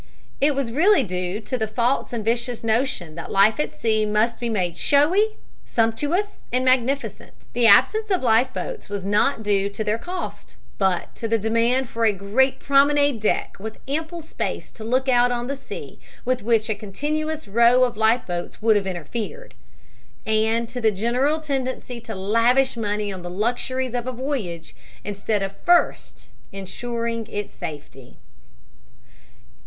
It was really due to the false and vicious notion that life at sea must be made showy, sumptuous and magnificent. The absence of life boats was not due to their cost, but to the demand for a great promenade deck, with ample space to look out on the sea with which a continuous row of life boats would have interfered, and to the general tendency to lavish money on the luxuries of a voyage instead of first insuring its safety.